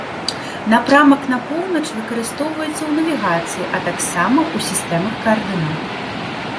Напрамак на поўнач выкарыстоўваецца ў навігацыі, а таксама ў сістэмах каардынат.